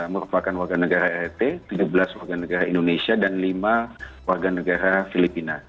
tujuh belas merupakan warga negara rrt tiga belas warga negara indonesia dan lima warga negara filipina